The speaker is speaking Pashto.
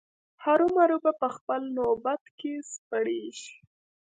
هرو مرو به په خپل نوبت کې سپریږي.